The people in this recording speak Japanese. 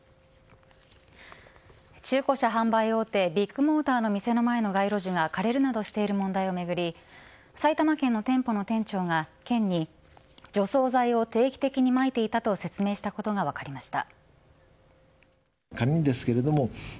中古車販売大手ビッグモーターの店の前の街路樹が枯れるなどしている問題をめぐり埼玉県の店舗の店長が県に除草剤を定期的にまいていたと説明したことが分かりました。